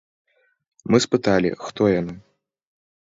Мы спыталі, хто яны.